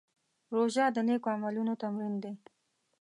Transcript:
روژه د نېکو عملونو تمرین دی.